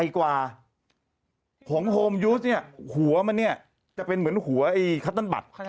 ของโฮมแยงหัวมันจะเป็นเหมือนหัวคัตน์บัตร